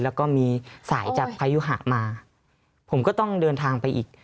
แล้วก็มีสายจากพายุหะมาผมก็ต้องเดินทางไปอีก